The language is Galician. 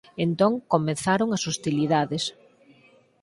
Entón comezaron as hostilidades.